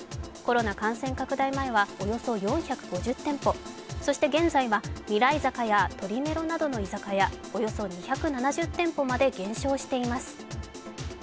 コロナ感染拡大前はおよそ４５０店舗そして現在はミライザカや鳥メロなどの居酒屋、およそ２７０店舗まで減少しています。